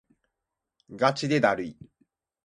ガチでだるい